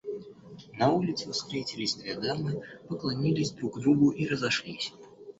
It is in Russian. На улице встретились две дамы, поклонились друг другу и разошлись.